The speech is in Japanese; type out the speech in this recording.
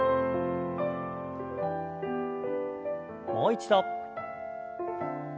もう一度。